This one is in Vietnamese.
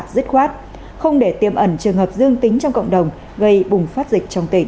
dứt khoát không để tiêm ẩn trường hợp dương tính trong cộng đồng gây bùng phát dịch trong tỉnh